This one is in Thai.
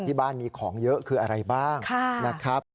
ที่บ้านมีของเยอะคืออะไรบ้างนะครับ